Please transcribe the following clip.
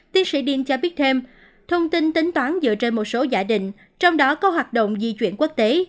tiến sĩ diên cho biết thêm thông tin tính toán dựa trên một số giả định trong đó có hoạt động di chuyển quốc tế